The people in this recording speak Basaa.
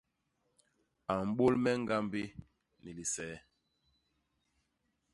A mbôl me ñgambi ni lise.